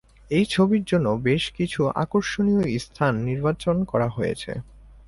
এই ছবির জন্য বেশকিছু আকর্ষণীয় স্থান নির্বাচন করা হয়েছে।